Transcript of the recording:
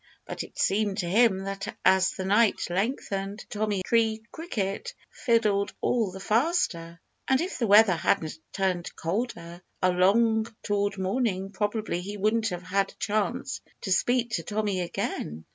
But it seemed to him that as the night lengthened Tommy Tree Cricket fiddled all the faster. And if the weather hadn't turned colder along toward morning probably he wouldn't have had a chance to speak to Tommy again.